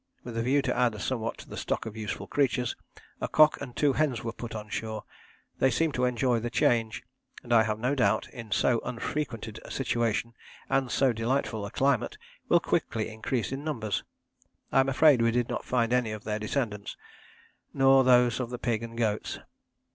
With the view to add somewhat to the stock of useful creatures, a cock and two hens were put on shore; they seemed to enjoy the change, and, I have no doubt, in so unfrequented a situation, and so delightful a climate, will quickly increase in numbers.' I am afraid we did not find any of their descendants, nor those of the pig and goats."